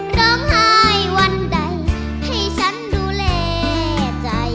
ร้องหายวันใดให้ฉันดูแลใจเธอ